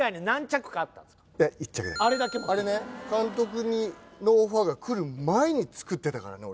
１着だけあれね監督のオファーが来る前に作ってたからね